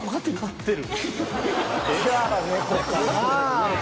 じゃあ猫かなぁ。